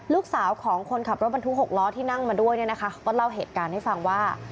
ลูกสาวของคนขับรถบรรทุก๖ล้อที่นั่งมาด้วยเนี่ยนะคะเขาก็เล่าเหตุการณ์ให้ฟังว่า